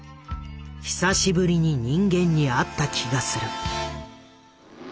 「久しぶりに人間にあった気がする」。